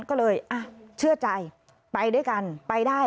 ก็เลยเชื่อใจไปด้วยกันไปได้